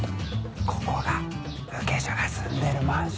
ここがブケショが住んでるマンションです。